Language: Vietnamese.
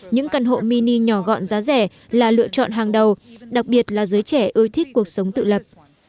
những căn hộ mini nhỏ gọn giá rẻ là lựa chọn hàng đầu đặc biệt là giới trẻ ưa thích cuộc sống tự lập